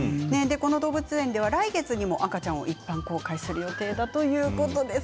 この動物園では来月にも赤ちゃんを一般公開する予定だということです。